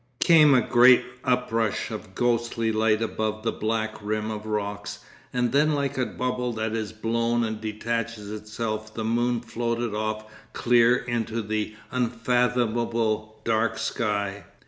Came a great uprush of ghostly light above the black rim of rocks, and then like a bubble that is blown and detaches itself the moon floated off clear into the unfathomable dark sky....